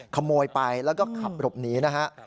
ขโมยไปแล้วก็ขับหลบหนีนะฮะ